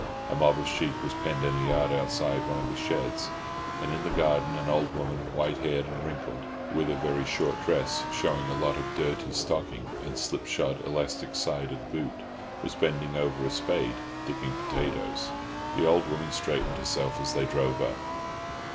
A mob of sheep was penned in a yard outside one of the sheds; and in the garden an old woman, white haired and wrinkled, with a very short dress showing a lot of dirty stocking and slipshod elastic sided boot, was bending over a spade, digging potatoes. The old woman straightened herself as they drove up.